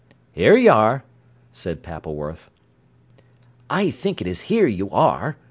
"Here y'are!" said Pappleworth. "I think it is 'here you are'!"